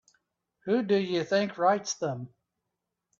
Who do you think writes them?